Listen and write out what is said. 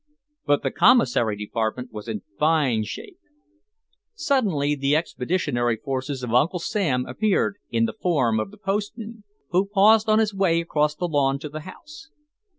But the commissary department was in fine shape.... Suddenly the expeditionary forces of Uncle Sam appeared in the form of the postman, who paused on his way across the lawn to the house.